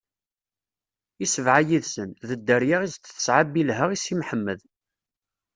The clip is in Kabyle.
I sebɛa yid-sen, d dderya i s-d-tesɛa Bilha i Si Mḥemmed.